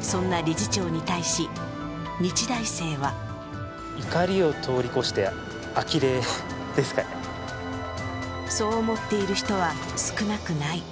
そんな理事長に対し、日大生はそう思っている人は少なくない。